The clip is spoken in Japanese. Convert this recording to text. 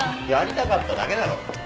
やりたかっただけだろ。